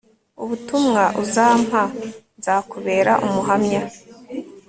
ubutumwa uzampa, nzakubera umuhamya